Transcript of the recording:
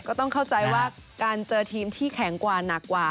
เข้าใจว่าการเจอทีมที่แข็งกว่าหนักกว่า